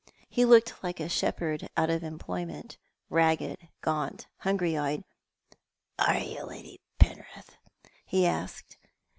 He looked like a shepherd out of employment, ragged, gaunt, hungry eyed. "Are you Lady Penrith?" he asked.